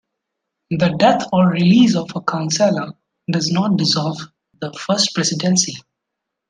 The death or release of a counselor does not dissolve the First Presidency.